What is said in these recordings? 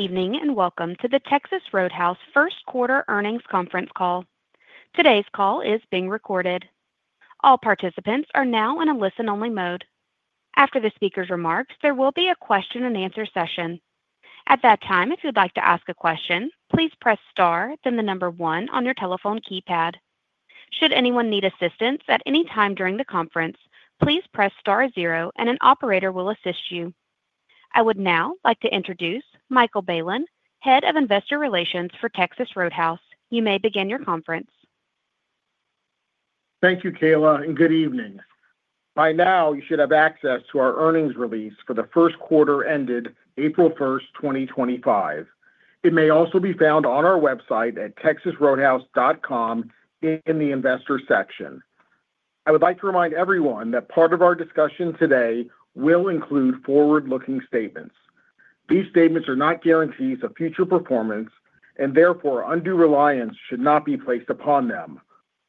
Evening and welcome to the Texas Roadhouse First Quarter Earnings Conference Call. Today's call is being recorded. All participants are now in a listen-only mode. After the speaker's remarks, there will be a question-and-answer session. At that time, if you'd like to ask a question, please press star, then the number one on your telephone keypad. Should anyone need assistance at any time during the conference, please press star zero, and an operator will assist you. I would now like to introduce Michael Bailen, Head of Investor Relations for Texas Roadhouse. You may begin your conference. Thank you, Kayla, and good evening. By now, you should have access to our earnings release for the first quarter ended April 1st, 2025. It may also be found on our website at texasroadhouse.com in the investor section. I would like to remind everyone that part of our discussion today will include forward-looking statements. These statements are not guarantees of future performance, and therefore, undue reliance should not be placed upon them.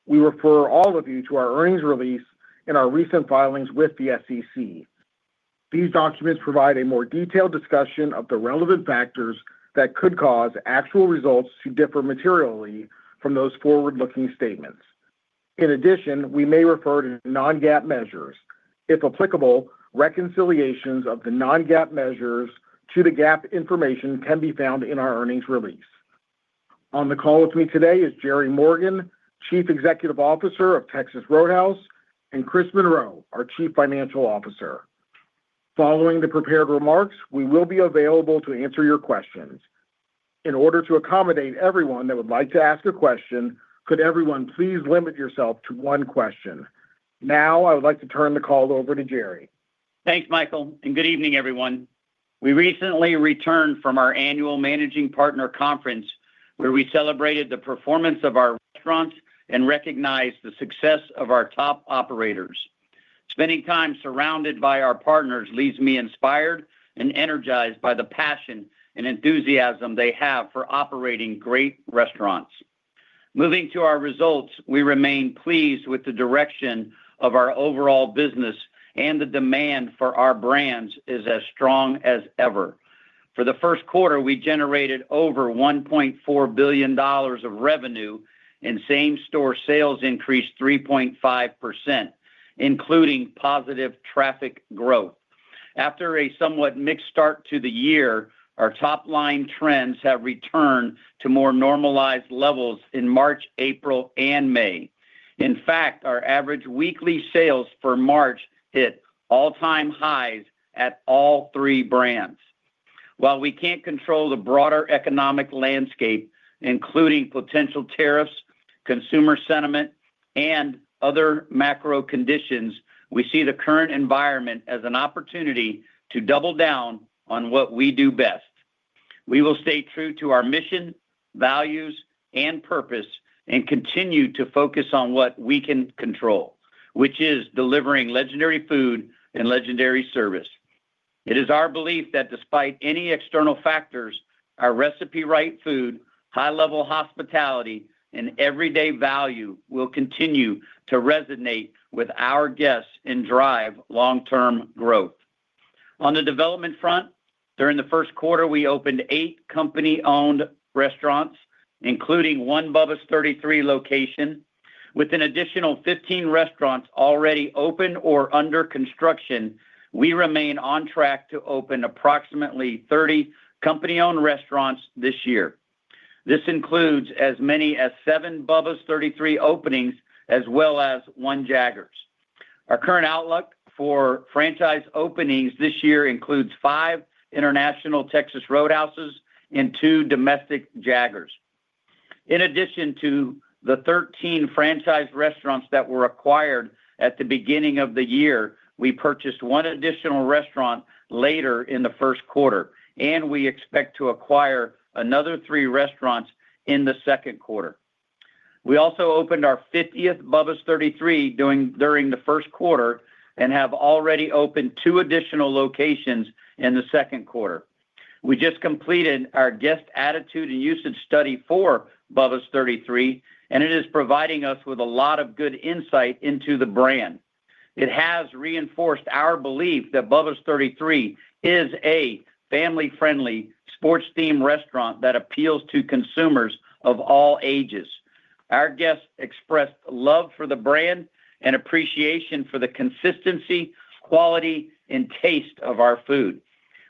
We refer all of you to our earnings release and our recent filings with the SEC. These documents provide a more detailed discussion of the relevant factors that could cause actual results to differ materially from those forward-looking statements. In addition, we may refer to non-GAAP measures. If applicable, reconciliations of the non-GAAP measures to the GAAP information can be found in our earnings release. On the call with me today is Jerry Morgan, Chief Executive Officer of Texas Roadhouse, and Chris Monroe, our Chief Financial Officer. Following the prepared remarks, we will be available to answer your questions. In order to accommodate everyone that would like to ask a question, could everyone please limit yourself to one question? Now, I would like to turn the call over to Jerry. Thanks, Michael, and good evening, everyone. We recently returned from our annual Managing Partner Conference, where we celebrated the performance of our restaurants and recognized the success of our top operators. Spending time surrounded by our partners leaves me inspired and energized by the passion and enthusiasm they have for operating great restaurants. Moving to our results, we remain pleased with the direction of our overall business, and the demand for our brands is as strong as ever. For the first quarter, we generated over $1.4 billion of revenue, and same-store sales increased 3.5%, including positive traffic growth. After a somewhat mixed start to the year, our top-line trends have returned to more normalized levels in March, April, and May. In fact, our average weekly sales for March hit all-time highs at all three brands. While we can't control the broader economic landscape, including potential tariffs, consumer sentiment, and other macro conditions, we see the current environment as an opportunity to double down on what we do best. We will stay true to our mission, values, and purpose, and continue to focus on what we can control, which is delivering legendary food and legendary service. It is our belief that despite any external factors, our Recipe Right food, high-level hospitality, and everyday value will continue to resonate with our guests and drive long-term growth. On the development front, during the first quarter, we opened eight company-owned restaurants, including one Bubba's 33 location. With an additional 15 restaurants already open or under construction, we remain on track to open approximately 30 company-owned restaurants this year. This includes as many as seven Bubba's 33 openings, as well as one Jaggers. Our current outlook for franchise openings this year includes five international Texas Roadhouses and two domestic Jaggers. In addition to the 13 franchise restaurants that were acquired at the beginning of the year, we purchased one additional restaurant later in the first quarter, and we expect to acquire another three restaurants in the second quarter. We also opened our 50th Bubba's 33 during the first quarter and have already opened two additional locations in the second quarter. We just completed our Guest Attitude and Usage study for Bubba's 33, and it is providing us with a lot of good insight into the brand. It has reinforced our belief that Bubba's 33 is a family-friendly, sports-themed restaurant that appeals to consumers of all ages. Our guests expressed love for the brand and appreciation for the consistency, quality, and taste of our food.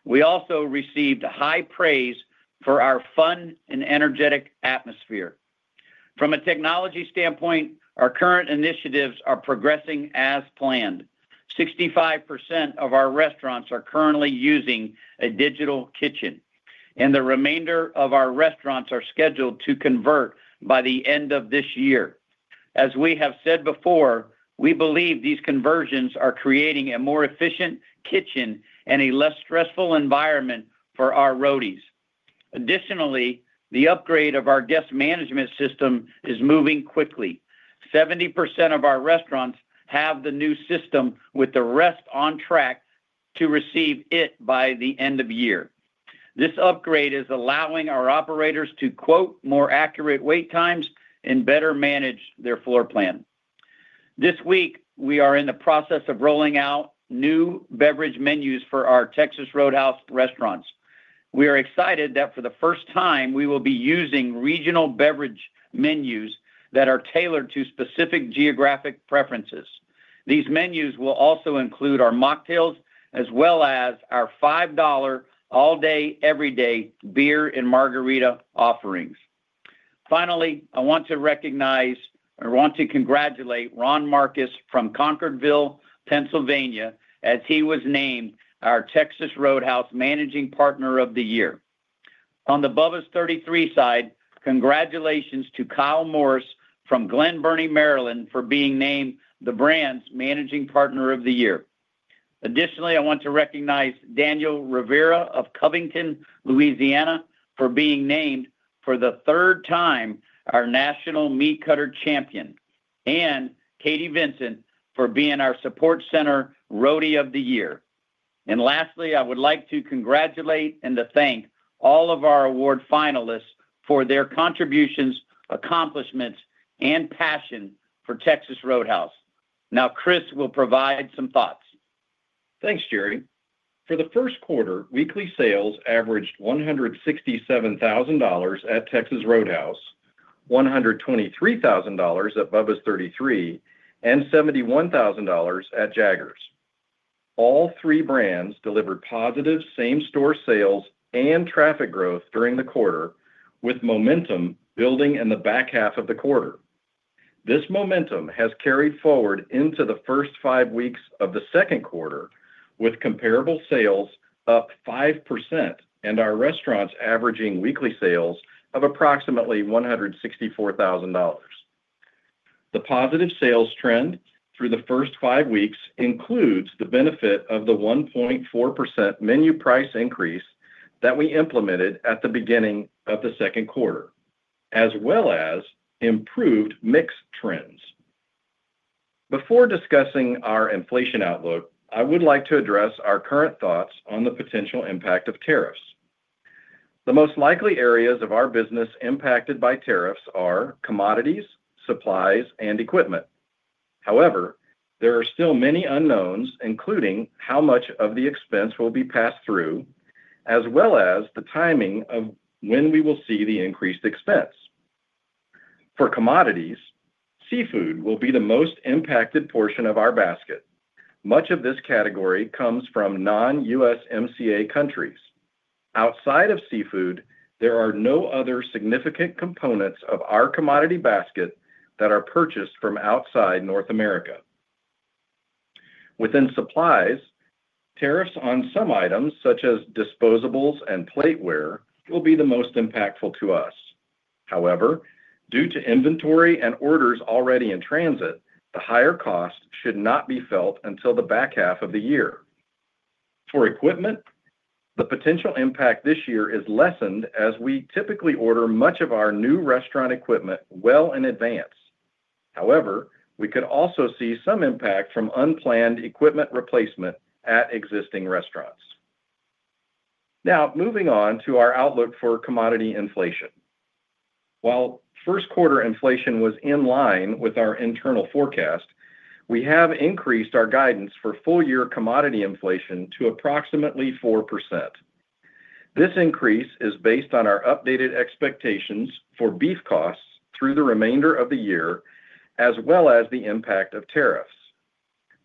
We also received high praise for our fun and energetic atmosphere. From a technology standpoint, our current initiatives are progressing as planned. 65% of our restaurants are currently using a Digital Kitchen, and the remainder of our restaurants are scheduled to convert by the end of this year. As we have said before, we believe these conversions are creating a more efficient kitchen and a less stressful environment for our Roadies. Additionally, the upgrade of our guest management system is moving quickly. 70% of our restaurants have the new system, with the rest on track to receive it by the end of the year. This upgrade is allowing our operators to, quote, "more accurate wait times and better manage their floor plan." This week, we are in the process of rolling out new beverage menus for our Texas Roadhouse restaurants. We are excited that for the first time, we will be using regional beverage menus that are tailored to specific geographic preferences. These menus will also include our mocktails, as well as our $5 all-day, everyday beer and margarita offerings. Finally, I want to congratulate Ron Marcus from Concordville, Pennsylvania, as he was named our Texas Roadhouse Managing Partner of the Year. On the Bubba's 33 side, congratulations to Kyle Morris from Glen Burnie, Maryland, for being named the brand's Managing Partner of the Year. Additionally, I want to recognize Daniel Rivera of Covington, Louisiana, for being named for the third time our National Meat Cutter Champion, and Katie Vincent for being our Support Center Roadie of the Year. Lastly, I would like to congratulate and to thank all of our award finalists for their contributions, accomplishments, and passion for Texas Roadhouse. Now, Chris will provide some thoughts. Thanks, Jerry. For the first quarter, weekly sales averaged $167,000 at Texas Roadhouse, $123,000 at Bubba's 33, and $71,000 at Jaggers. All three brands delivered positive same-store sales and traffic growth during the quarter, with momentum building in the back half of the quarter. This momentum has carried forward into the first five weeks of the second quarter, with comparable sales up 5% and our restaurants averaging weekly sales of approximately $164,000. The positive sales trend through the first five weeks includes the benefit of the 1.4% menu price increase that we implemented at the beginning of the second quarter, as well as improved mix trends. Before discussing our inflation outlook, I would like to address our current thoughts on the potential impact of tariffs. The most likely areas of our business impacted by tariffs are commodities, supplies, and equipment. However, there are still many unknowns, including how much of the expense will be passed through, as well as the timing of when we will see the increased expense. For commodities, seafood will be the most impacted portion of our basket. Much of this category comes from non-USMCA countries. Outside of seafood, there are no other significant components of our commodity basket that are purchased from outside North America. Within supplies, tariffs on some items, such as disposables and plateware, will be the most impactful to us. However, due to inventory and orders already in transit, the higher cost should not be felt until the back half of the year. For equipment, the potential impact this year is lessened as we typically order much of our new restaurant equipment well in advance. However, we could also see some impact from unplanned equipment replacement at existing restaurants. Now, moving on to our outlook for commodity inflation. While first-quarter inflation was in line with our internal forecast, we have increased our guidance for full-year commodity inflation to approximately 4%. This increase is based on our updated expectations for beef costs through the remainder of the year, as well as the impact of tariffs.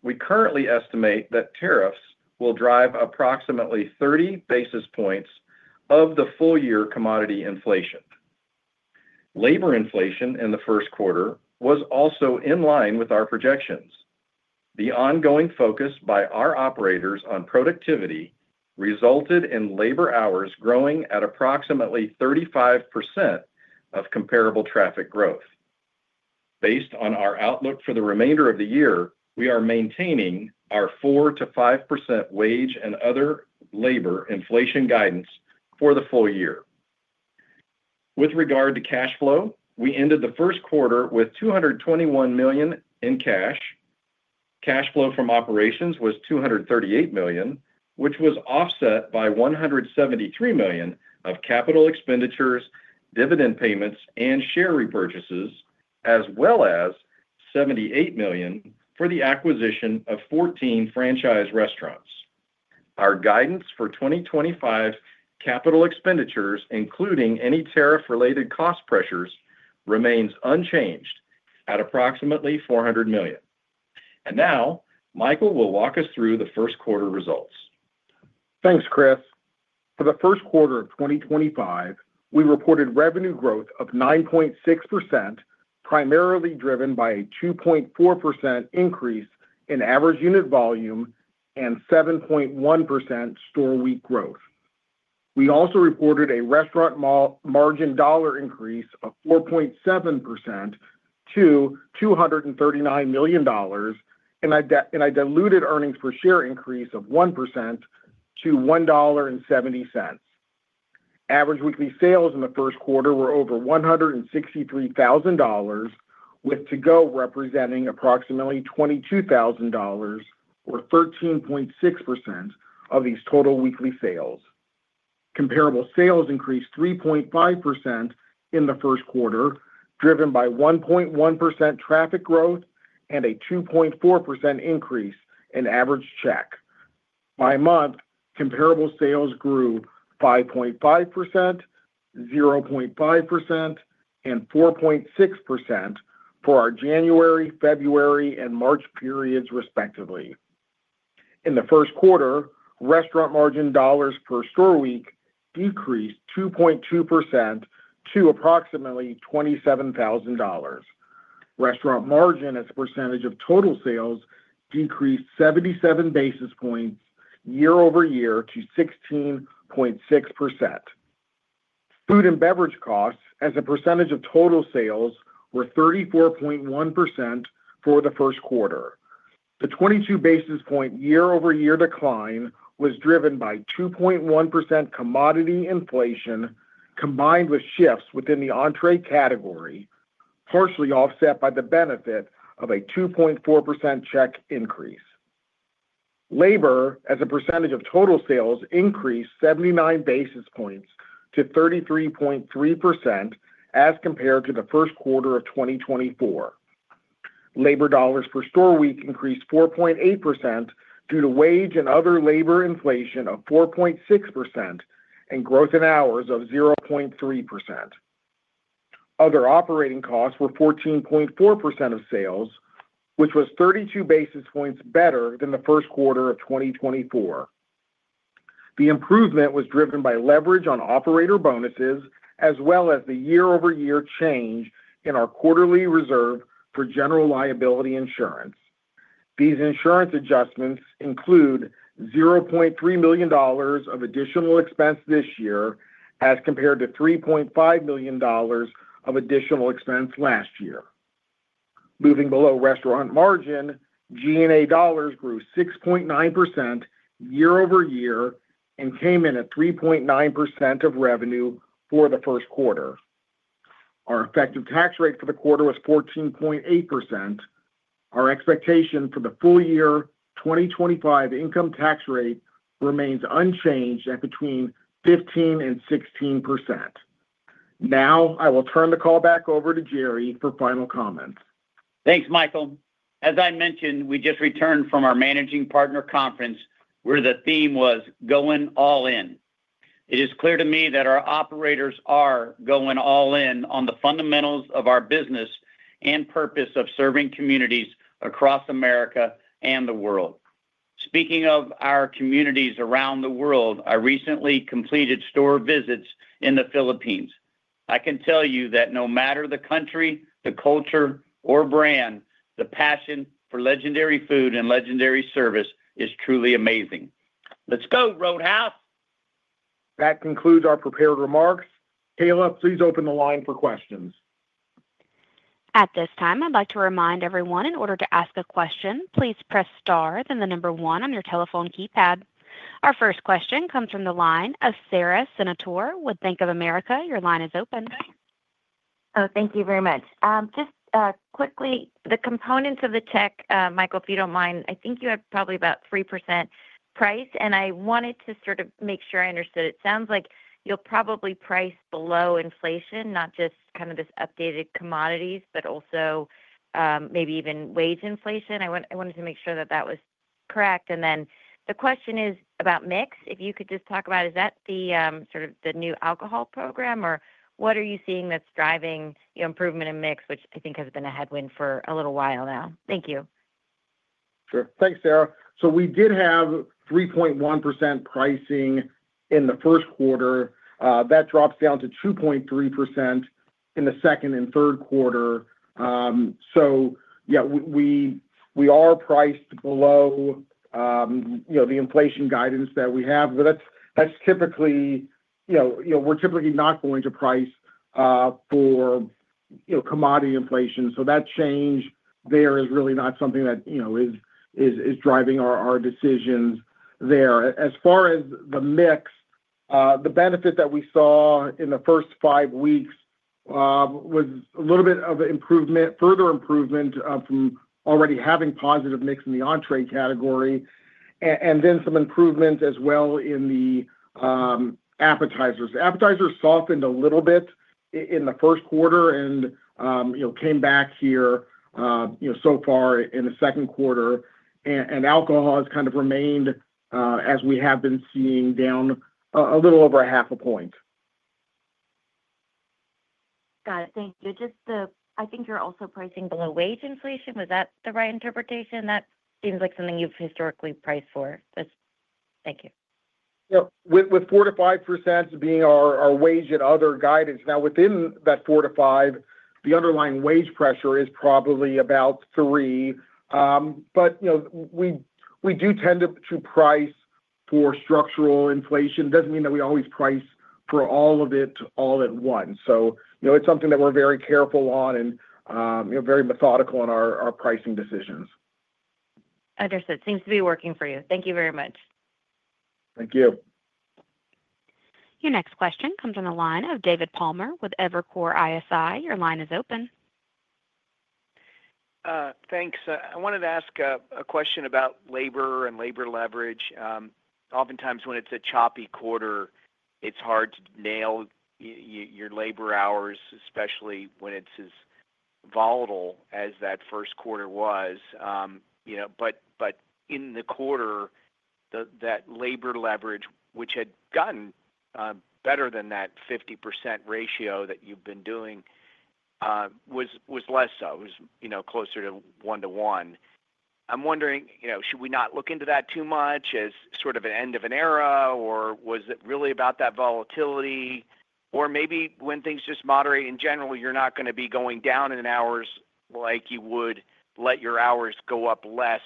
We currently estimate that tariffs will drive approximately 30 basis points of the full-year commodity inflation. Labor inflation in the first quarter was also in line with our projections. The ongoing focus by our operators on productivity resulted in labor hours growing at approximately 35% of comparable traffic growth. Based on our outlook for the remainder of the year, we are maintaining our 4%-5% wage and other labor inflation guidance for the full year. With regard to cash flow, we ended the first quarter with $221 million in cash. Cash flow from operations was $238 million, which was offset by $173 million of capital expenditures, dividend payments, and share repurchases, as well as $78 million for the acquisition of 14 franchise restaurants. Our guidance for 2025 capital expenditures, including any tariff-related cost pressures, remains unchanged at approximately $400 million. And now, Michael will walk us through the first-quarter results. Thanks, Chris. For the first quarter of 2025, we reported revenue growth of 9.6%, primarily driven by a 2.4% increase in average unit volume and 7.1% store week growth. We also reported a restaurant margin dollar increase of 4.7% to $239 million, and a diluted earnings per share increase of 1% to $1.70. Average weekly sales in the first quarter were over $163,000, with to-go representing approximately $22,000, or 13.6% of these total weekly sales. Comparable sales increased 3.5% in the first quarter, driven by 1.1% traffic growth and a 2.4% increase in average check. By month, comparable sales grew 5.5%, 0.5%, and 4.6% for our January, February, and March periods, respectively. In the first quarter, restaurant margin dollars per store week decreased 2.2% to approximately $27,000. Restaurant margin as a percentage of total sales decreased 77 basis points year over year to 16.6%. Food and beverage costs as a percentage of total sales were 34.1% for the first quarter. The 22 basis point year-over-year decline was driven by 2.1% commodity inflation combined with shifts within the entree category, partially offset by the benefit of a 2.4% check increase. Labor as a percentage of total sales increased 79 basis points to 33.3% as compared to the first quarter of 2024. Labor dollars per store week increased 4.8% due to wage and other labor inflation of 4.6% and growth in hours of 0.3%. Other operating costs were 14.4% of sales, which was 32 basis points better than the first quarter of 2024. The improvement was driven by leverage on operator bonuses, as well as the year-over-year change in our quarterly reserve for general liability insurance. These insurance adjustments include $0.3 million of additional expense this year as compared to $3.5 million of additional expense last year. Moving below restaurant margin, G&A dollars grew 6.9% year-over-year and came in at 3.9% of revenue for the first quarter. Our effective tax rate for the quarter was 14.8%. Our expectation for the full-year 2025 income tax rate remains unchanged at between 15% and 16%. Now, I will turn the call back over to Jerry for final comments. Thanks, Michael. As I mentioned, we just returned from our Managing Partner Conference, where the theme was "Going All In." It is clear to me that our operators are going all in on the fundamentals of our business and purpose of serving communities across America and the world. Speaking of our communities around the world, I recently completed store visits in the Philippines. I can tell you that no matter the country, the culture, or brand, the passion for legendary food and legendary service is truly amazing. Let's go, Roadhouse. That concludes our prepared remarks. Kayla, please open the line for questions. At this time, I'd like to remind everyone in order to ask a question, please press star then the number one on your telephone keypad. Our first question comes from the line of Sara Senatore with Bank of America. Your line is open. Oh, thank you very much. Just quickly, the components of the tech, Michael, if you don't mind, I think you have probably about 3% price, and I wanted to sort of make sure I understood. It sounds like you'll probably price below inflation, not just kind of this updated commodities, but also maybe even wage inflation. I wanted to make sure that that was correct. And then the question is about mix. If you could just talk about, is that sort of the new alcohol program, or what are you seeing that's driving improvement in mix, which I think has been a headwind for a little while now? Thank you. Sure. Thanks, Sara. So we did have 3.1% pricing in the first quarter. That drops down to 2.3% in the second and third quarter. So yeah, we are priced below the inflation guidance that we have, but that's typically we're not going to price for commodity inflation. So that change there is really not something that is driving our decisions there. As far as the mix, the benefit that we saw in the first five weeks was a little bit of further improvement from already having positive mix in the entree category, and then some improvements as well in the appetizers. Appetizers softened a little bit in the first quarter and came back here so far in the second quarter. And alcohol has kind of remained, as we have been seeing, down a little over a half a point. Got it. Thank you. I think you're also pricing below wage inflation. Was that the right interpretation? That seems like something you've historically priced for. Thank you. Yeah. With 4%-5% being our wage and other guidance. Now, within that 4%-5%, the underlying wage pressure is probably about 3%. But we do tend to price for structural inflation. It doesn't mean that we always price for all of it all at once. So it's something that we're very careful on and very methodical in our pricing decisions. Understood. Seems to be working for you. Thank you very much. Thank you. Your next question comes on the line of David Palmer with Evercore ISI. Your line is open. Thanks. I wanted to ask a question about labor and labor leverage. Oftentimes, when it's a choppy quarter, it's hard to nail your labor hours, especially when it's as volatile as that first quarter was. But in the quarter, that labor leverage, which had gotten better than that 50% ratio that you've been doing, was less so. It was closer to one to one. I'm wondering, should we not look into that too much as sort of an end of an era, or was it really about that volatility? Or maybe when things just moderate in general, you're not going to be going down in hours like you would let your hours go up less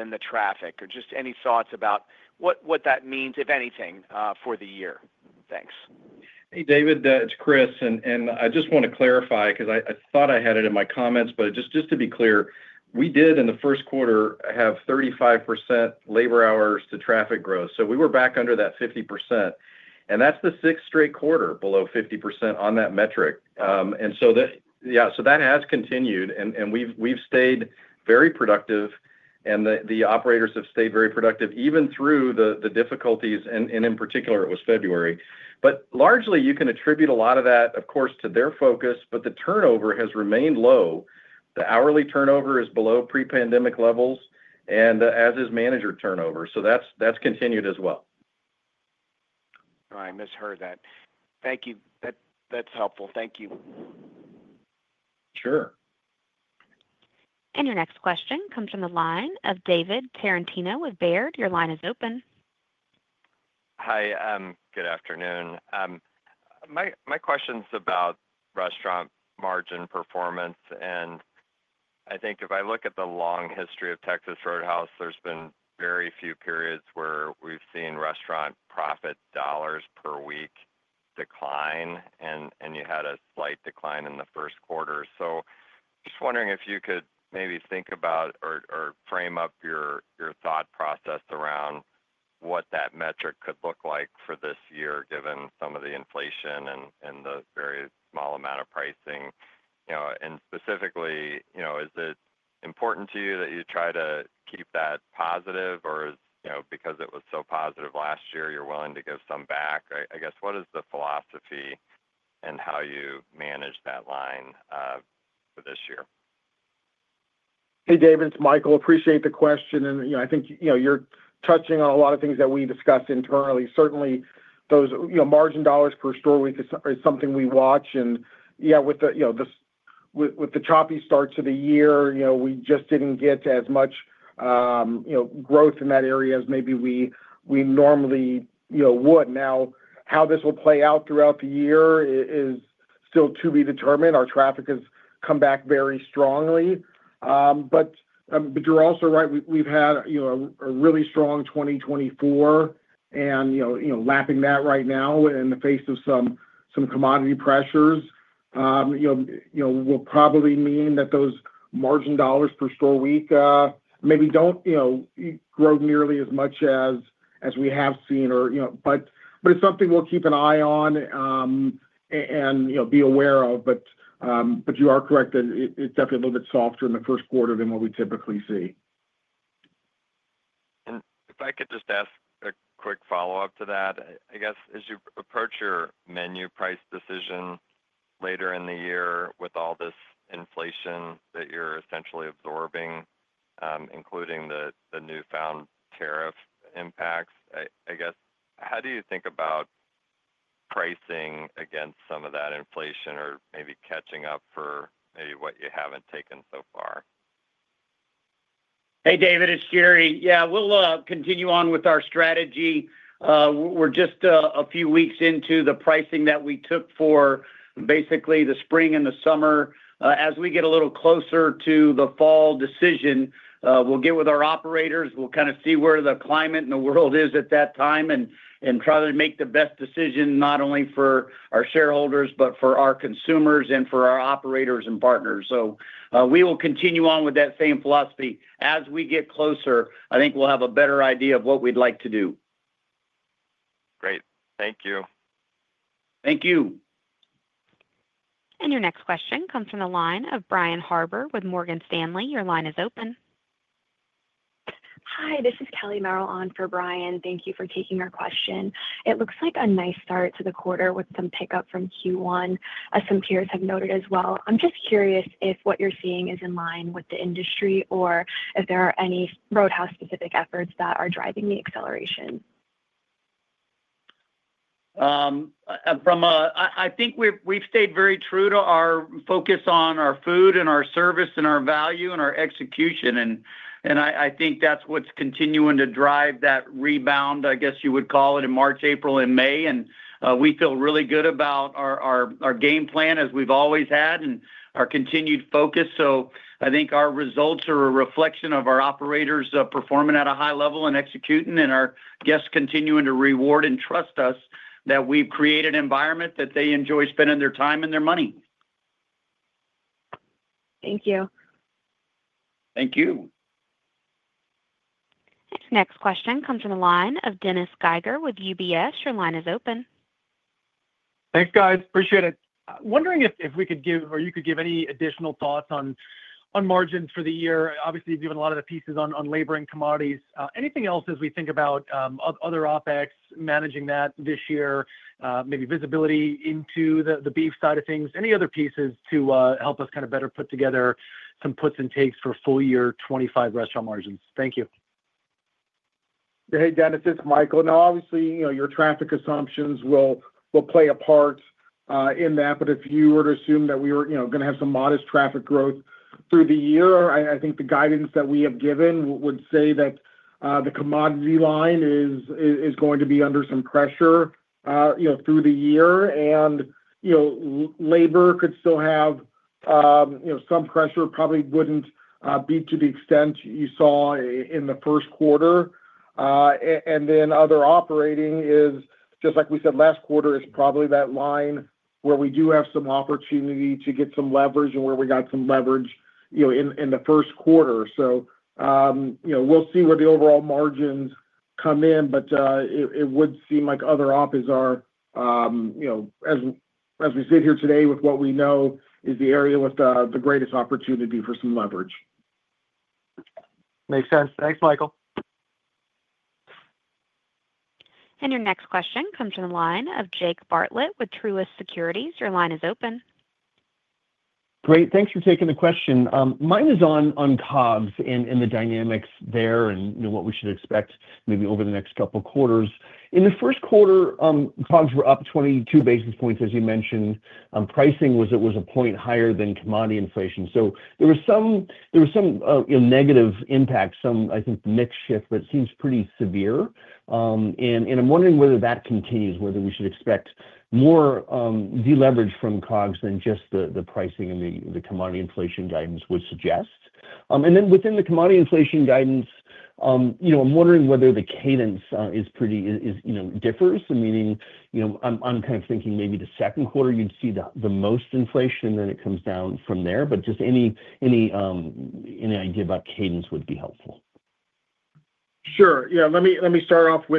than the traffic? Or just any thoughts about what that means, if anything, for the year? Thanks. Hey, David. It's Chris, and I just want to clarify because I thought I had it in my comments, but just to be clear, we did in the first quarter have 35% labor hours to traffic growth. So we were back under that 50%. That's the sixth straight quarter below 50% on that metric. So yeah, so that has continued, and we've stayed very productive, and the operators have stayed very productive even through the difficulties, and in particular, it was February. But largely, you can attribute a lot of that, of course, to their focus, but the turnover has remained low. The hourly turnover is below pre-pandemic levels, and as is manager turnover. So that's continued as well. Oh, I misheard that. Thank you. That's helpful. Thank you. Sure. Your next question comes from the line of David Tarantino with Baird. Your line is open. Hi. Good afternoon. My question's about restaurant margin performance. And I think if I look at the long history of Texas Roadhouse, there's been very few periods where we've seen restaurant profit dollars per week decline, and you had a slight decline in the first quarter. So just wondering if you could maybe think about or frame up your thought process around what that metric could look like for this year, given some of the inflation and the very small amount of pricing. And specifically, is it important to you that you try to keep that positive, or because it was so positive last year, you're willing to give some back? I guess, what is the philosophy and how you manage that line for this year? Hey, David. It's Michael. Appreciate the question, and I think you're touching on a lot of things that we discussed internally. Certainly, those margin dollars per store week is something we watch, and yeah, with the choppy start to the year, we just didn't get as much growth in that area as maybe we normally would. Now, how this will play out throughout the year is still to be determined. Our traffic has come back very strongly, but you're also right. We've had a really strong 2024, and lapping that right now in the face of some commodity pressures will probably mean that those margin dollars per store week maybe don't grow nearly as much as we have seen, but it's something we'll keep an eye on and be aware of. But you are correct that it's definitely a little bit softer in the first quarter than what we typically see. If I could just ask a quick follow-up to that, I guess, as you approach your menu price decision later in the year with all this inflation that you're essentially absorbing, including the newfound tariff impacts, I guess, how do you think about pricing against some of that inflation or maybe catching up for maybe what you haven't taken so far? Hey, David. It's Jerry. Yeah. We'll continue on with our strategy. We're just a few weeks into the pricing that we took for basically the spring and the summer. As we get a little closer to the fall decision, we'll get with our operators. We'll kind of see where the climate in the world is at that time and try to make the best decision not only for our shareholders, but for our consumers and for our operators and partners. So we will continue on with that same philosophy. As we get closer, I think we'll have a better idea of what we'd like to do. Great. Thank you. Thank you. Your next question comes from the line of Brian Harbour with Morgan Stanley. Your line is open. Hi. This is Kelly Merrill on for Brian. Thank you for taking our question. It looks like a nice start to the quarter with some pickup from Q1, as some peers have noted as well. I'm just curious if what you're seeing is in line with the industry or if there are any Roadhouse-specific efforts that are driving the acceleration. I think we've stayed very true to our focus on our food and our service and our value and our execution, and I think that's what's continuing to drive that rebound, I guess you would call it, in March, April, and May. And we feel really good about our game plan as we've always had and our continued focus, so I think our results are a reflection of our operators performing at a high level and executing, and our guests continuing to reward and trust us that we've created an environment that they enjoy spending their time and their money. Thank you. Thank you. Next question comes from the line of Dennis Geiger with UBS. Your line is open. Thanks, guys. Appreciate it. Wondering if we could give or you could give any additional thoughts on margins for the year. Obviously, you've given a lot of the pieces on labor and commodities. Anything else as we think about other OpEx, managing that this year, maybe visibility into the beef side of things? Any other pieces to help us kind of better put together some puts and takes for full-year 2025 restaurant margins? Thank you. Hey, Dennis. It's Michael. Now, obviously, your traffic assumptions will play a part in that. But if you were to assume that we were going to have some modest traffic growth through the year, I think the guidance that we have given would say that the commodity line is going to be under some pressure through the year. And labor could still have some pressure, probably wouldn't be to the extent you saw in the first quarter. And then other operating is, just like we said last quarter, is probably that line where we do have some opportunity to get some leverage and where we got some leverage in the first quarter. So we'll see where the overall margins come in, but it would seem like other OpEx are, as we sit here today with what we know, is the area with the greatest opportunity for some leverage. Makes sense. Thanks, Michael. Your next question comes from the line of Jake Bartlett with Truist Securities. Your line is open. Great. Thanks for taking the question. Mine is on COGS and the dynamics there and what we should expect maybe over the next couple of quarters. In the first quarter, COGS were up 22 basis points, as you mentioned. Pricing was a point higher than commodity inflation. So there was some negative impact, some, I think, mix shift, but it seems pretty severe. And I'm wondering whether that continues, whether we should expect more deleverage from COGS than just the pricing and the commodity inflation guidance would suggest. And then within the commodity inflation guidance, I'm wondering whether the cadence differs, meaning I'm kind of thinking maybe the second quarter you'd see the most inflation, and then it comes down from there. But just any idea about cadence would be helpful. Sure. Yeah. Let me start off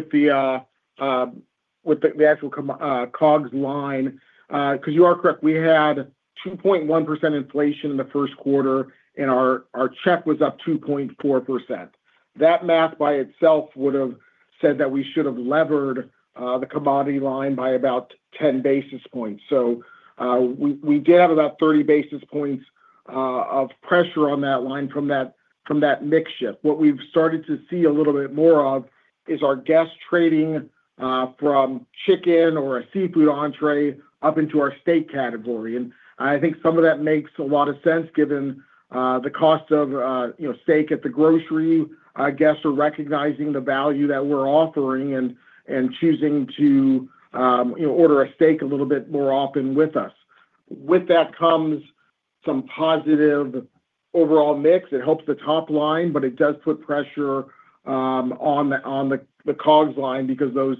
with the actual COGS line. Because you are correct, we had 2.1% inflation in the first quarter, and our check was up 2.4%. That math by itself would have said that we should have levered the commodity line by about 10 basis points. So we did have about 30 basis points of pressure on that line from that mix shift. What we've started to see a little bit more of is our guests trading from chicken or a seafood entree up into our steak category. And I think some of that makes a lot of sense given the cost of steak at the grocery. Guests are recognizing the value that we're offering and choosing to order a steak a little bit more often with us. With that comes some positive overall mix. It helps the top line, but it does put pressure on the COGS line because those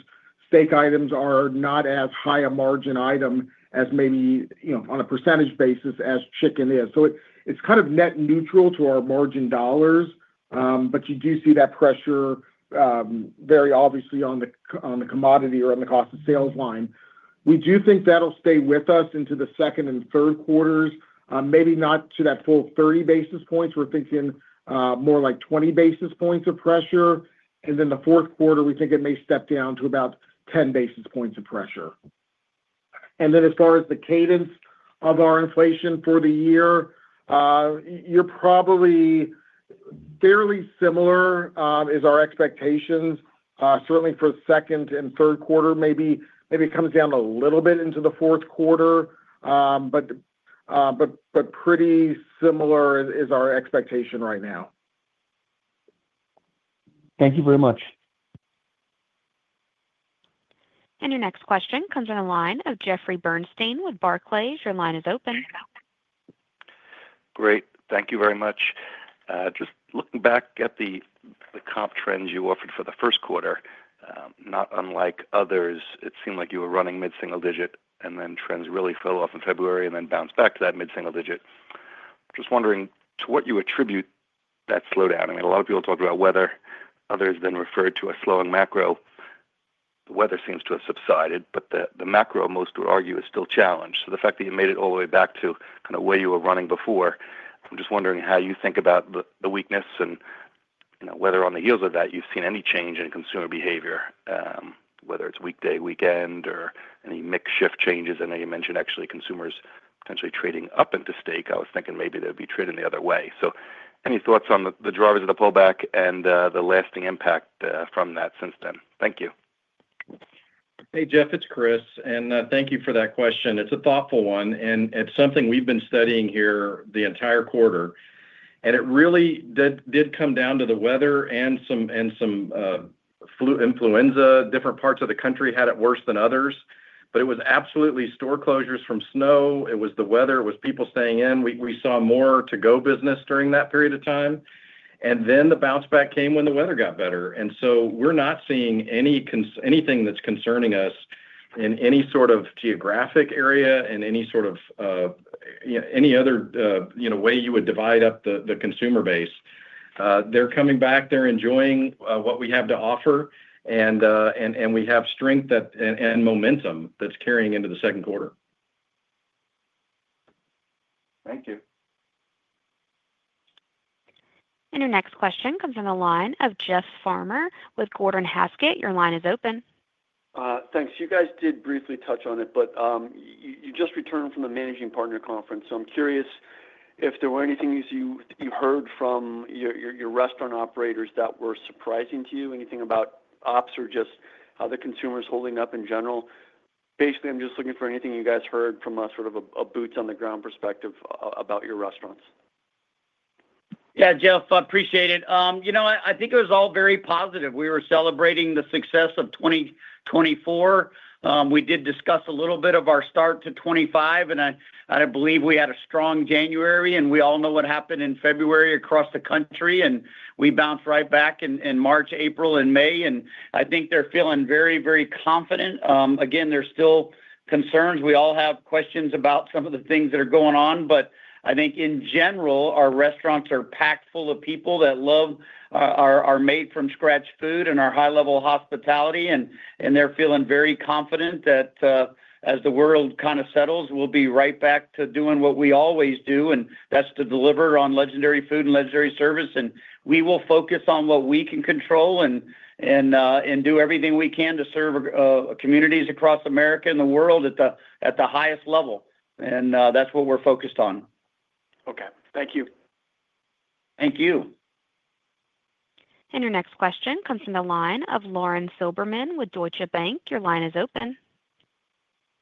steak items are not as high a margin item as maybe on a percentage basis as chicken is, so it's kind of net neutral to our margin dollars, but you do see that pressure very obviously on the commodity or on the cost of sales line. We do think that'll stay with us into the second and third quarters, maybe not to that full 30 basis points. We're thinking more like 20 basis points of pressure, and then the fourth quarter, we think it may step down to about 10 basis points of pressure, and then as far as the cadence of our inflation for the year, you're probably fairly similar as our expectations, certainly for the second and third quarter. Maybe it comes down a little bit into the fourth quarter, but pretty similar is our expectation right now. Thank you very much. Your next question comes from the line of Jeffrey Bernstein with Barclays. Your line is open. Great. Thank you very much. Just looking back at the comp trends you offered for the first quarter, not unlike others, it seemed like you were running mid-single digit, and then trends really fell off in February and then bounced back to that mid-single digit. Just wondering to what you attribute that slowdown. I mean, a lot of people talked about weather. Others then referred to a slowing macro. The weather seems to have subsided, but the macro, most would argue, is still challenged. So the fact that you made it all the way back to kind of where you were running before, I'm just wondering how you think about the weakness and whether on the heels of that you've seen any change in consumer behavior, whether it's weekday, weekend, or any mix shift changes. I know you mentioned actually consumers potentially trading up into steak. I was thinking maybe they'd be trading the other way. So any thoughts on the drivers of the pullback and the lasting impact from that since then? Thank you. Hey, Jeff. It's Chris. And thank you for that question. It's a thoughtful one. And it's something we've been studying here the entire quarter. And it really did come down to the weather and some flu influenza. Different parts of the country had it worse than others. But it was absolutely store closures from snow. It was the weather. It was people staying in. We saw more to-go business during that period of time. And then the bounce back came when the weather got better. And so we're not seeing anything that's concerning us in any sort of geographic area, in any sort of any other way you would divide up the consumer base. They're coming back. They're enjoying what we have to offer. And we have strength and momentum that's carrying into the second quarter. Thank you. Your next question comes from the line of Jeff Farmer with Gordon Haskett. Your line is open. Thanks. You guys did briefly touch on it, but you just returned from the Managing Partner Conference. So I'm curious if there were any things you heard from your restaurant operators that were surprising to you, anything about ops or just how the consumer's holding up in general. Basically, I'm just looking for anything you guys heard from a sort of a boots-on-the-ground perspective about your restaurants. Yeah, Jeff, appreciate it. I think it was all very positive. We were celebrating the success of 2024. We did discuss a little bit of our start to 2025, and I believe we had a strong January. And we all know what happened in February across the country. And we bounced right back in March, April, and May. And I think they're feeling very, very confident. Again, there's still concerns. We all have questions about some of the things that are going on. But I think, in general, our restaurants are packed full of people that love our made-from-scratch food and our high-level hospitality. And they're feeling very confident that as the world kind of settles, we'll be right back to doing what we always do. And that's to deliver on legendary food and legendary service. And we will focus on what we can control and do everything we can to serve communities across America and the world at the highest level. And that's what we're focused on. Okay. Thank you. Thank you. And your next question comes from the line of Lauren Silberman with Deutsche Bank. Your line is open.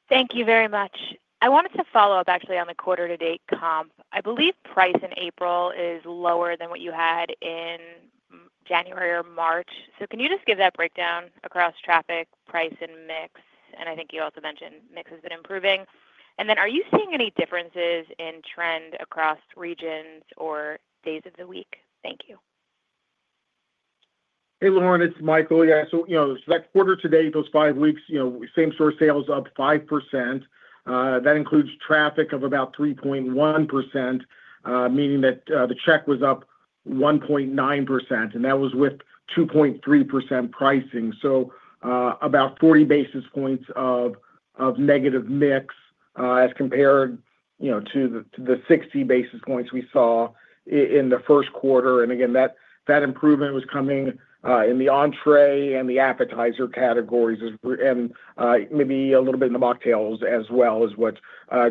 Thank you very much. I wanted to follow up, actually, on the quarter-to-date comp. I believe price in April is lower than what you had in January or March. So can you just give that breakdown across traffic, price, and mix? And I think you also mentioned mix has been improving. And then are you seeing any differences in trend across regions or days of the week? Thank you. Hey, Lauren. It's Michael. Yeah. So that quarter-to-date, those five weeks, same-store sales up 5%. That includes traffic of about 3.1%, meaning that the check was up 1.9%. And that was with 2.3% pricing. So about 40 basis points of negative mix as compared to the 60 basis points we saw in the first quarter. And again, that improvement was coming in the entree and the appetizer categories and maybe a little bit in the mocktails as well as what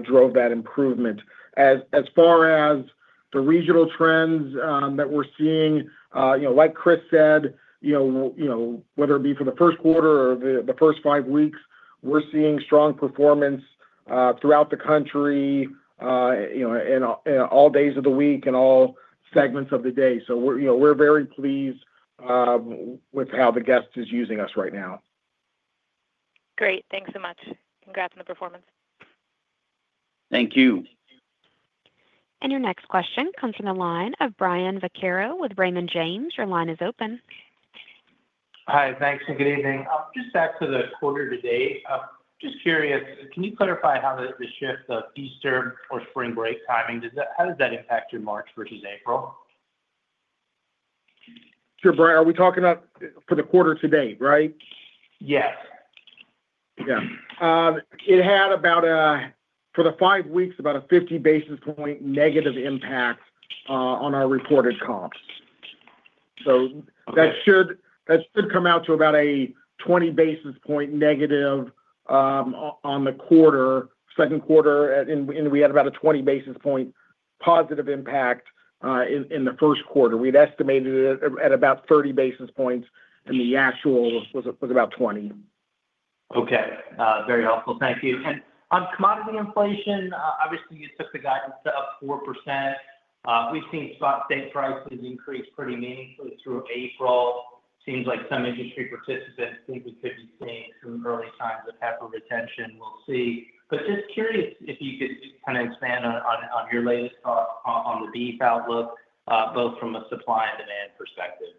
drove that improvement. As far as the regional trends that we're seeing, like Chris said, whether it be for the first quarter or the first five weeks, we're seeing strong performance throughout the country and all days of the week and all segments of the day. So we're very pleased with how the guest is using us right now. Great. Thanks so much. Congrats on the performance. Thank you. Your next question comes from the line of Brian Vaccaro with Raymond James. Your line is open. Hi. Thanks and good evening. I'm just back to the quarter-to-date. I'm just curious, can you clarify how the shift of Easter or spring break timing, how does that impact your March versus April? Sure. Brian, are we talking about for the quarter-to-date, right? Yes. Yeah. It had about a, for the five weeks, about a 50 basis point negative impact on our reported comp. So that should come out to about a 20 basis point negative on the quarter. Second quarter, we had about a 20 basis point positive impact in the first quarter. We'd estimated it at about 30 basis points, and the actual was about 20. Okay. Very helpful. Thank you. And on commodity inflation, obviously, you took the guidance up 4%. We've seen spot steak prices increase pretty meaningfully through April. Seems like some industry participants think we could be seeing some early signs of cattle retention. We'll see. But just curious if you could kind of expand on your latest thoughts on the beef outlook, both from a supply and demand perspective?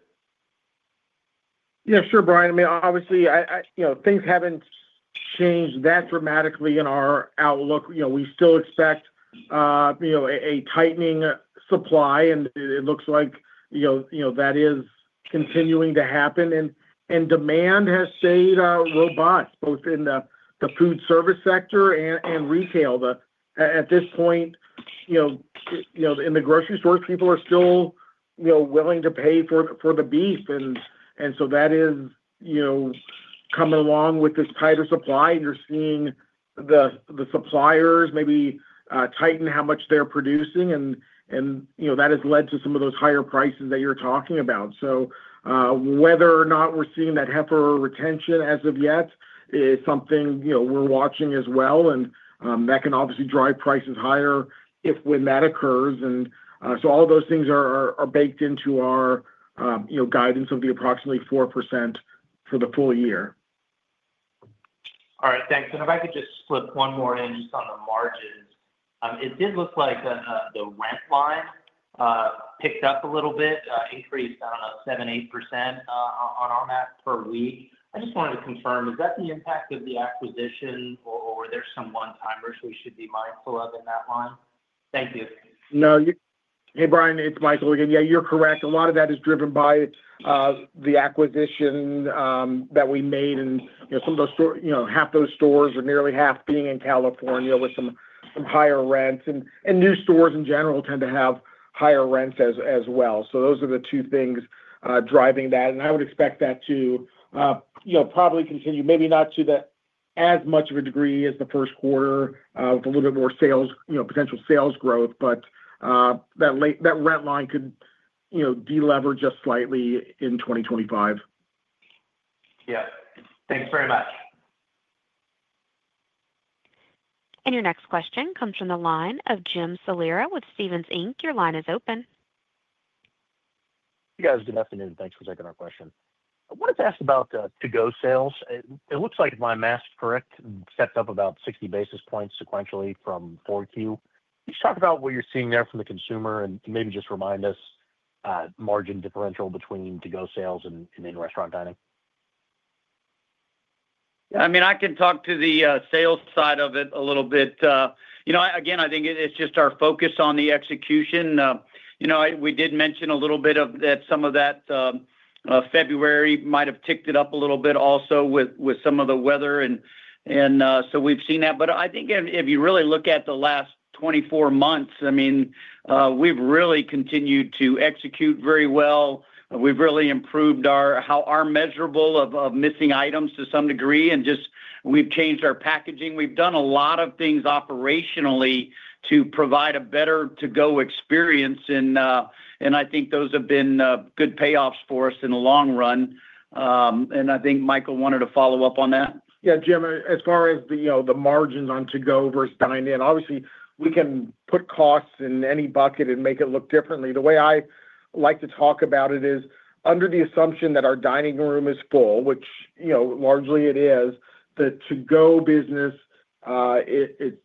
Yeah. Sure, Brian. I mean, obviously, things haven't changed that dramatically in our outlook. We still expect a tightening supply, and it looks like that is continuing to happen. And demand has stayed robust, both in the foodservice sector and retail. At this point, in the grocery stores, people are still willing to pay for the beef. And so that is coming along with this tighter supply. And you're seeing the suppliers maybe tighten how much they're producing. And that has led to some of those higher prices that you're talking about. So whether or not we're seeing that heifer retention as of yet is something we're watching as well. And that can obviously drive prices higher if that occurs. And so all of those things are baked into our guidance of the approximately 4% for the full year. All right. Thanks, and if I could just slip one more in just on the margins. It did look like the rent line picked up a little bit, increased by 7%-8% on our AUV per week. I just wanted to confirm, is that the impact of the acquisition, or were there some one-timers we should be mindful of in that line? Thank you. No. Hey, Brian. It's Michael again. Yeah, you're correct. A lot of that is driven by the acquisition that we made. And some of those half those stores are nearly half being in California with some higher rents. And new stores in general tend to have higher rents as well. So those are the two things driving that. And I would expect that to probably continue, maybe not to as much of a degree as the first quarter with a little bit more potential sales growth. But that rent line could deleverage us slightly in 2025. Yeah. Thanks very much. And your next question comes from the line of James Salera with Stephens Inc. Your line is open. Hey, guys. Good afternoon. Thanks for taking our question. I wanted to ask about to-go sales. It looks like, if my math's correct, it stepped up about 60 basis points sequentially from 4Q. Can you just talk about what you're seeing there from the consumer and maybe just remind us the margin differential between to-go sales and in-restaurant dining? Yeah. I mean, I can talk to the sales side of it a little bit. Again, I think it's just our focus on the execution. We did mention a little bit of that. Some of that February might have ticked it up a little bit also with some of the weather. And so we've seen that. But I think if you really look at the last 24 months, I mean, we've really continued to execute very well. We've really improved how our measurable of missing items to some degree. And we've changed our packaging. We've done a lot of things operationally to provide a better to-go experience. And I think those have been good payoffs for us in the long run. And I think Michael wanted to follow up on that. Yeah, James. As far as the margins on to-go versus dine-in, obviously, we can put costs in any bucket and make it look differently. The way I like to talk about it is under the assumption that our dining room is full, which largely it is. The to-go business, it's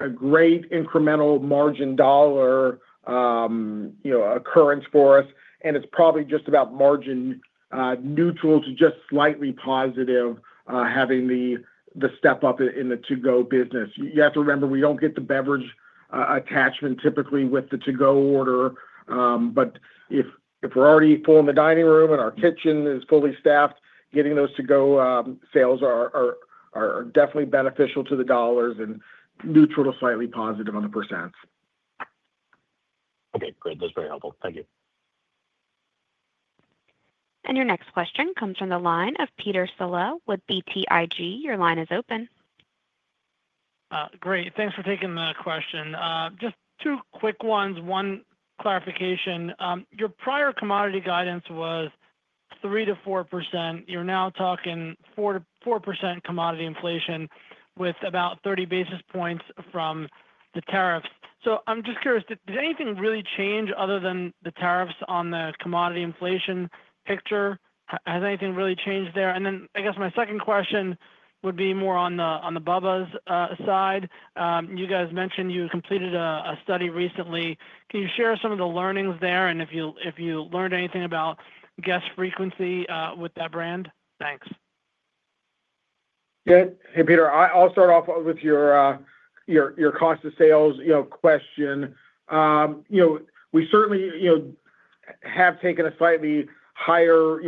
a great incremental margin dollar occurrence for us. And it's probably just about margin neutral to just slightly positive having the step up in the to-go business. You have to remember we don't get the beverage attachment typically with the to-go order. But if we're already full in the dining room and our kitchen is fully staffed, getting those to-go sales are definitely beneficial to the dollars and neutral to slightly positive on the percents. Okay. Great. That's very helpful. Thank you. And your next question comes from the line of Peter Saleh with BTIG. Your line is open. Great. Thanks for taking the question. Just two quick ones. One clarification. Your prior commodity guidance was 3%-4%. You're now talking 4% commodity inflation with about 30 basis points from the tariffs. So I'm just curious, did anything really change other than the tariffs on the commodity inflation picture? Has anything really changed there? And then I guess my second question would be more on the Bubba's side. You guys mentioned you completed a study recently. Can you share some of the learnings there and if you learned anything about guest frequency with that brand? Thanks. Yeah. Hey, Peter. I'll start off with your cost-to-sales question. We certainly have taken a slightly higher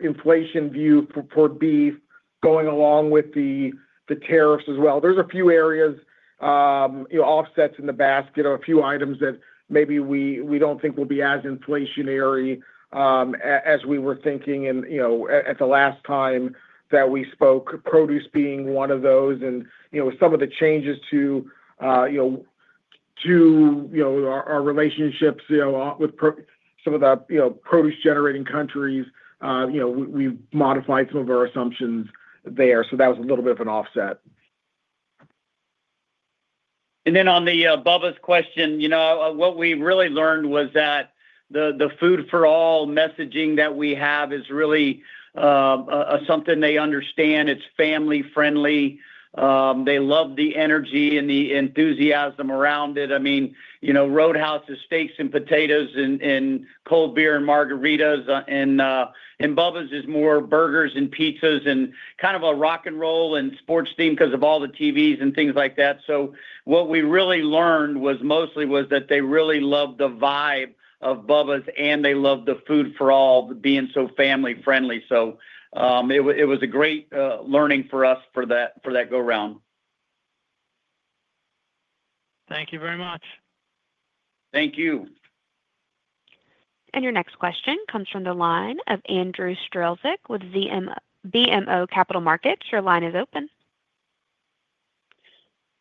inflation view for beef going along with the tariffs as well. There's a few areas, offsets in the basket of a few items that maybe we don't think will be as inflationary as we were thinking. And at the last time that we spoke, produce being one of those. And with some of the changes to our relationships with some of the produce-generating countries, we've modified some of our assumptions there. So that was a little bit of an offset. Then on the Bubba's question, what we really learned was that the Food for All messaging that we have is really something they understand. It's family-friendly. They love the energy and the enthusiasm around it. I mean, Roadhouse is steaks and potatoes and cold beer and margaritas. Bubba's is more burgers and pizzas and kind of a rock and roll and sports theme because of all the TVs and things like that. What we really learned mostly was that they really love the vibe of Bubba's, and they love the Food for All being so family-friendly. It was a great learning for us for that go-round. Thank you very much. Thank you. And your next question comes from the line of Andrew Strelzik with BMO Capital Markets. Your line is open.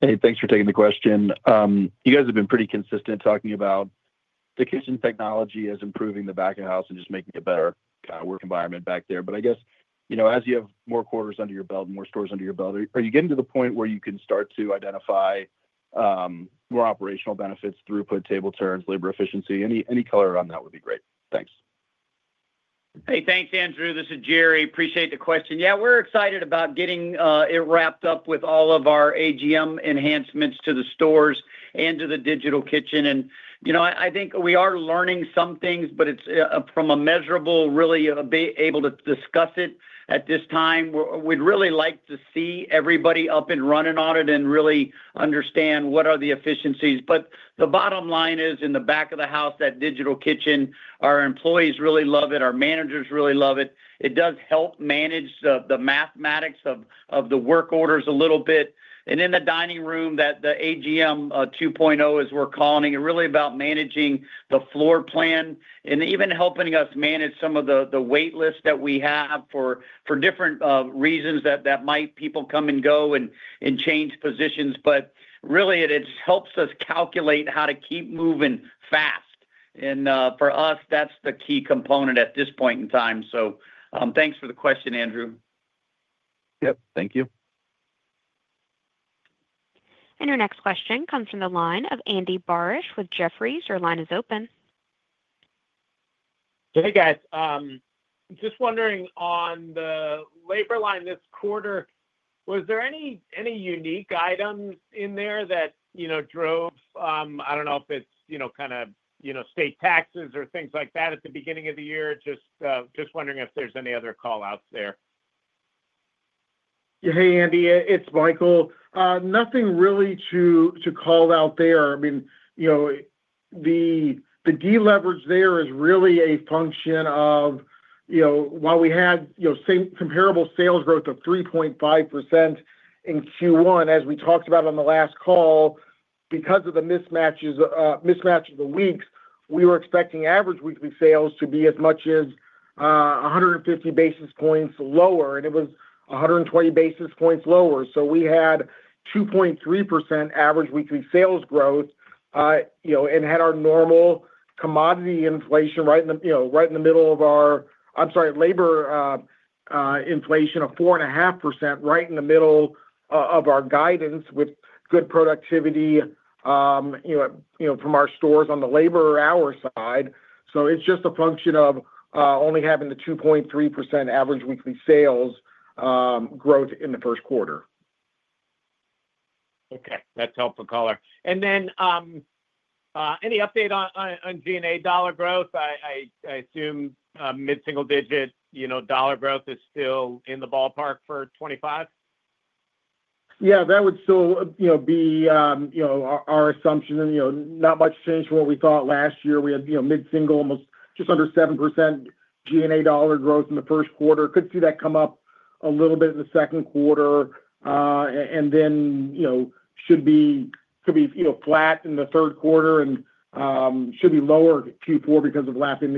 Hey, thanks for taking the question. You guys have been pretty consistent talking about the kitchen technology is improving the back of house and just making it a better kind of work environment back there. But I guess as you have more quarters under your belt and more stores under your belt, are you getting to the point where you can start to identify more operational benefits, throughput, table turns, labor efficiency? Any color on that would be great. Thanks. Hey, thanks, Andrew. This is Jerry. Appreciate the question. Yeah, we're excited about getting it wrapped up with all of our AGM enhancements to the stores and to the Digital Kitchen. And I think we are learning some things, but from a measurable, really able to discuss it at this time. We'd really like to see everybody up and running on it and really understand what are the efficiencies. But the bottom line is in the back of the house, that Digital Kitchen, our employees really love it. Our managers really love it. It does help manage the mathematics of the work orders a little bit. And in the dining room, that the AGM 2.0, as we're calling it, really about managing the floor plan and even helping us manage some of the waitlist that we have for different reasons that might people come and go and change positions. But really, it helps us calculate how to keep moving fast. And for us, that's the key component at this point in time. So thanks for the question, Andrew. Yep. Thank you. Your next question comes from the line of Andy Barish with Jefferies. Your line is open. Hey, guys. Just wondering on the labor line this quarter, was there any unique items in there that drove, I don't know if it's kind of state taxes or things like that, at the beginning of the year. Just wondering if there's any other callouts there. Hey, Andy. It's Michael. Nothing really to call out there. I mean, the deleverage there is really a function of while we had comparable sales growth of 3.5% in Q1, as we talked about on the last call, because of the mismatch of the weeks, we were expecting average weekly sales to be as much as 150 basis points lower, and it was 120 basis points lower. We had 2.3% average weekly sales growth and had our normal commodity inflation right in the middle of our, I'm sorry, labor inflation of 4.5% right in the middle of our guidance with good productivity from our stores on the labor hour side, so it's just a function of only having the 2.3% average weekly sales growth in the first quarter. Okay. That's helpful color. And then any update on G&A dollar growth? I assume mid-single digit dollar growth is still in the ballpark for 2025? Yeah. That would still be our assumption. Not much changed from what we thought last year. We had mid-single, almost just under 7% G&A dollar growth in the first quarter. Could see that come up a little bit in the second quarter and then should be flat in the third quarter and should be lower Q4 because of lapping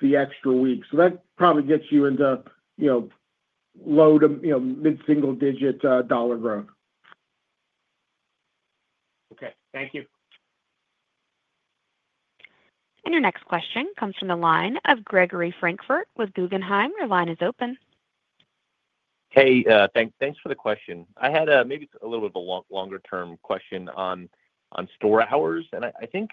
the extra week, so that probably gets you into low to mid-single digit dollar growth. Okay. Thank you. Your next question comes from the line of Gregory Francfort with Guggenheim. Your line is open. Hey, thanks for the question. I had maybe a little bit of a longer-term question on store hours. And I think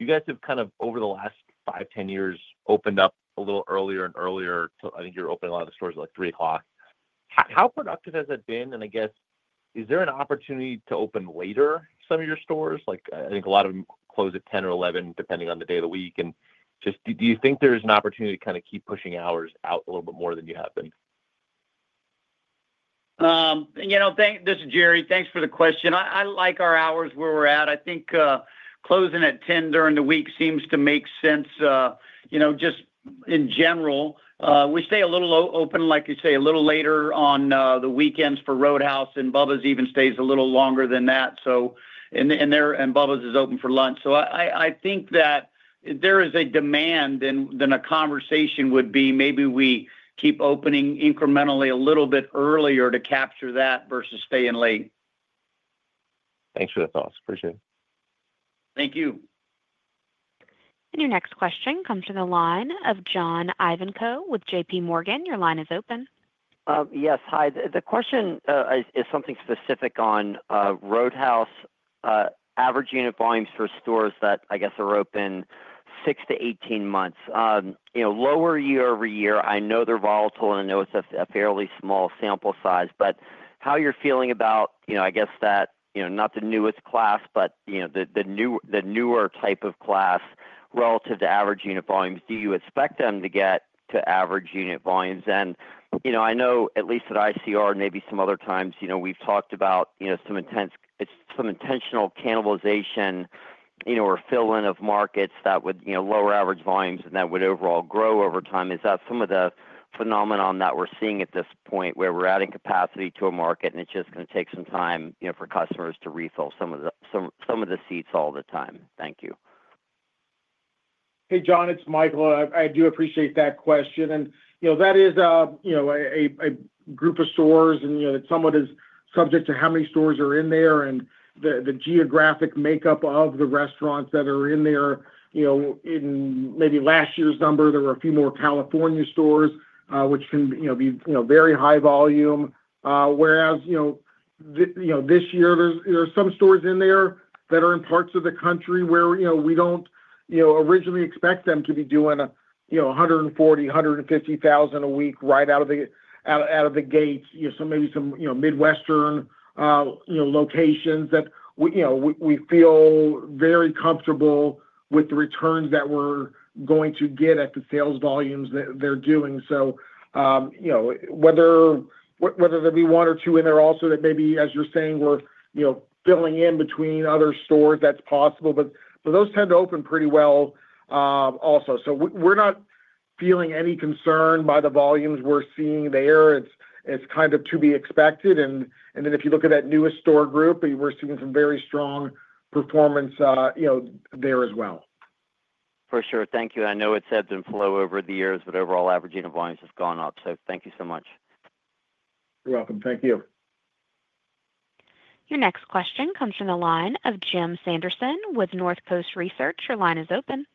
you guys have kind of over the last five, 10 years opened up a little earlier and earlier. I think you're opening a lot of the stores at three o'clock. How productive has that been? And I guess, is there an opportunity to open later some of your stores? I think a lot of them close at 10 or 11, depending on the day of the week. And do you think there's an opportunity to kind of keep pushing hours out a little bit more than you have been? This is Jerry. Thanks for the question. I like our hours where we're at. I think closing at 10 during the week seems to make sense just in general. We stay a little open, like you say, a little later on the weekends for Roadhouse. And Bubba's even stays a little longer than that. And Bubba's is open for lunch. So I think that there is a demand, then a conversation would be. Maybe we keep opening incrementally a little bit earlier to capture that versus staying late. Thanks for the thoughts. Appreciate it. Thank you. And your next question comes from the line of John Ivankoe with J.P. Morgan. Your line is open. Yes. Hi. The question is something specific on Roadhouse average unit volumes for stores that I guess are open 6-18 months. Lower year-over-year, I know they're volatile. And I know it's a fairly small sample size. But how you're feeling about, I guess, that not the newest class, but the newer type of class relative to average unit volumes? Do you expect them to get to average unit volumes? And I know at least at ICR and maybe some other times, we've talked about some intentional cannibalization or fill-in of markets that would lower average volumes and that would overall grow over time. Is that some of the phenomenon that we're seeing at this point where we're adding capacity to a market and it's just going to take some time for customers to refill some of the seats all the time? Thank you. Hey, John. It's Michael. I do appreciate that question, and that is a group of stores and that someone is subject to how many stores are in there and the geographic makeup of the restaurants that are in there. In maybe last year's number, there were a few more California stores, which can be very high volume. Whereas this year, there are some stores in there that are in parts of the country where we don't originally expect them to be doing $140,000-$150,000 a week right out of the gate. So maybe some Midwestern locations that we feel very comfortable with the returns that we're going to get at the sales volumes that they're doing. So whether there be one or two in there also that maybe, as you're saying, we're filling in between other stores, that's possible. But those tend to open pretty well also. So we're not feeling any concern by the volumes we're seeing there. It's kind of to be expected. And then if you look at that newest store group, we're seeing some very strong performance there as well. For sure. Thank you. I know it's ebbed and flowed over the years, but overall average unit volumes have gone up. So thank you so much. You're welcome. Thank you. Your next question comes from the line of Jim Sanderson with Northcoast Research. Your line is open.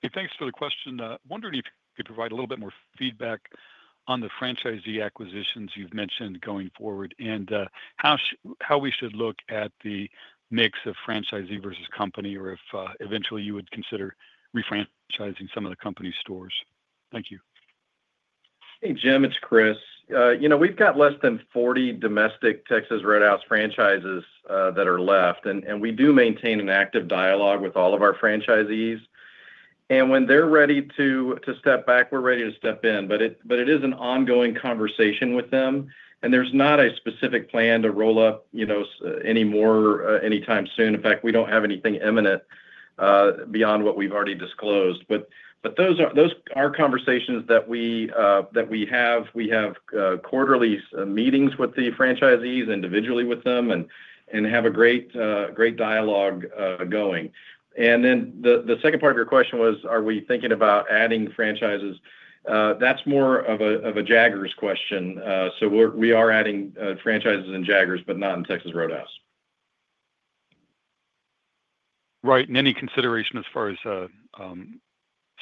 Hey, thanks for the question. Wondering if you could provide a little bit more feedback on the franchisee acquisitions you've mentioned going forward and how we should look at the mix of franchisee versus company or if eventually you would consider re-franchising some of the company stores? Thank you. Hey, Jim. It's Chris. We've got less than 40 domestic Texas Roadhouse franchises that are left. And we do maintain an active dialogue with all of our franchisees. And when they're ready to step back, we're ready to step in. But it is an ongoing conversation with them. And there's not a specific plan to roll up any more anytime soon. In fact, we don't have anything imminent beyond what we've already disclosed. But those are conversations that we have. We have quarterly meetings with the franchisees individually with them and have a great dialogue going. And then the second part of your question was, are we thinking about adding franchises? That's more of a Jaggers question. So we are adding franchises in Jaggers, but not in Texas Roadhouse. Right. And any consideration as far as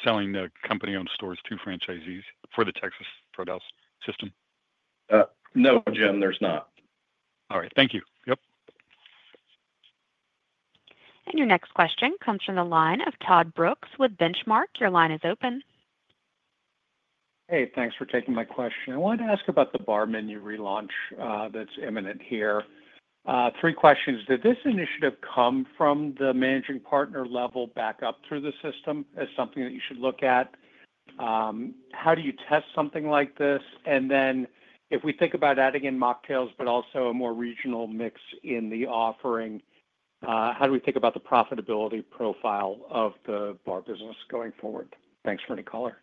selling the company-owned stores to franchisees for the Texas Roadhouse system? No, James, there's not. All right. Thank you. Yep. Your next question comes from the line of Todd Brooks with Benchmark. Your line is open. Hey, thanks for taking my question. I wanted to ask about the bar menu relaunch that's imminent here. Three questions. Did this initiative come from the managing partner level back up through the system as something that you should look at? How do you test something like this? And then if we think about adding in mocktails, but also a more regional mix in the offering, how do we think about the profitability profile of the bar business going forward? Thanks for any color.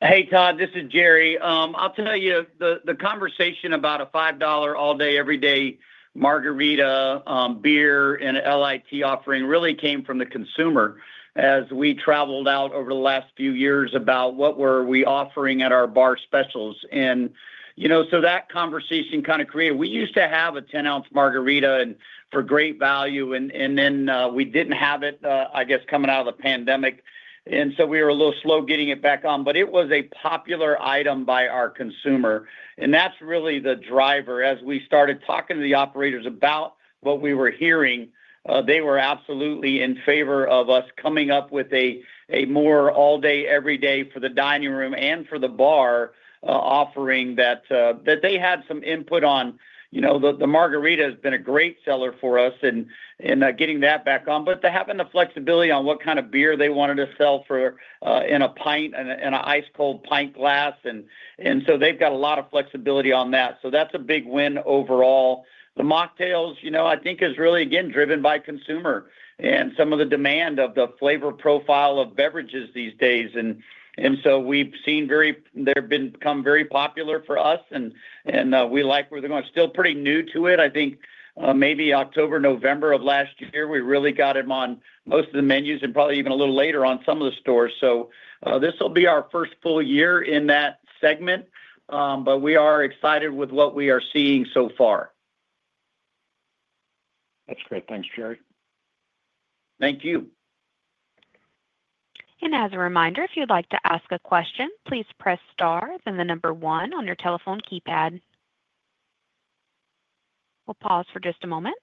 Hey, Todd, this is Jerry. I'll tell you, the conversation about a $5 all-day, every-day margarita, beer, and an LIT offering really came from the consumer as we traveled out over the last few years about what were we offering at our bar specials. And so that conversation kind of created. We used to have a 10-ounce margarita for great value. And then we didn't have it, I guess, coming out of the pandemic. And so we were a little slow getting it back on. But it was a popular item by our consumer. And that's really the driver. As we started talking to the operators about what we were hearing, they were absolutely in favor of us coming up with a more all-day, every-day for the dining room and for the bar offering that they had some input on. The margarita has been a great seller for us in getting that back on. But they have the flexibility on what kind of beer they wanted to sell in an ice-cold pint glass. And so they've got a lot of flexibility on that. So that's a big win overall. The mocktails, I think, is really, again, driven by consumer and some of the demand of the flavor profile of beverages these days. And so we've seen they've become very popular for us. And we like where they're going. Still pretty new to it. I think maybe October, November of last year, we really got them on most of the menus and probably even a little later on some of the stores. So this will be our first full year in that segment. But we are excited with what we are seeing so far. That's great. Thanks, Jerry. Thank you. As a reminder, if you'd like to ask a question, please press star then the number one on your telephone keypad. We'll pause for just a moment.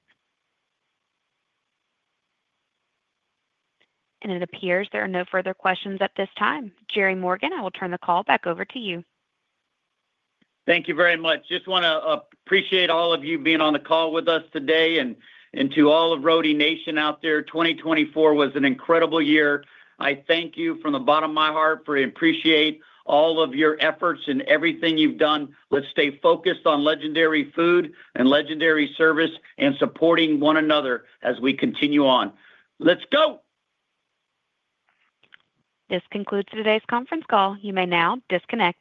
It appears there are no further questions at this time. Jerry Morgan, I will turn the call back over to you. Thank you very much. I just want to appreciate all of you being on the call with us today, and to all of Roadie Nation out there, 2024 was an incredible year. I thank you from the bottom of my heart for appreciating all of your efforts and everything you've done. Let's stay focused on legendary food and legendary service and supporting one another as we continue on. Let's go. This concludes today's conference call. You may now disconnect.